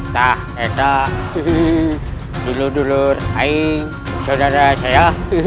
nah kita dulu dulu raih saudara saya